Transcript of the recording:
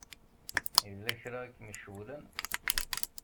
Yella kra i kem-icewwlen?